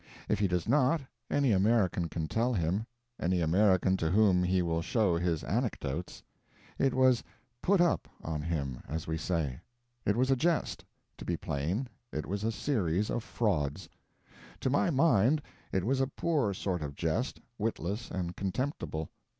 If he does not, any American can tell him any American to whom he will show his anecdotes. It was "put up" on him, as we say. It was a jest to be plain, it was a series of frauds. To my mind it was a poor sort of jest, witless and contemptible.